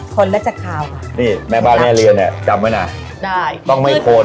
คนแล้วจะขาวค่ะนี่แม่บ้านแม่เรียนเนี่ยจำไว้น่ะได้ต้องไม่โคน